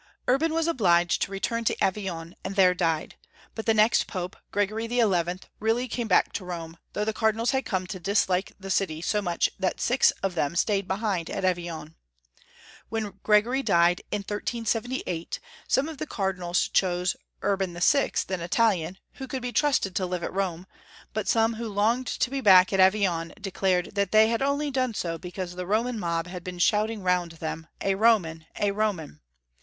Urban was obliged to return to Avignon, and there died; but the next Pope, Gregory XI., really came back to Rome, though the Cardinals had come to dislike the city so much that six of them stayed behind at Avignon. When Gregory died in 1378, some of the Cardinals chose Urban VI., an Italian, who could be trusted to live at Rome, but some who longed to be back at Avignon declared that they had only done so because the Roman mob had 222 Young Folks' History of Qermany. been shouting round them, " A Roman, a Roman."